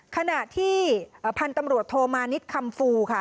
ขณะที่พันธุ์ตำรวจโทมานิดคำฟูค่ะ